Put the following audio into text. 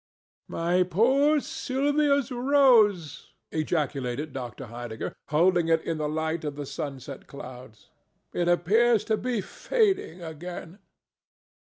"My poor Sylvia's rose!" ejaculated Dr. Heidegger, holding it in the light of the sunset clouds. "It appears to be fading again."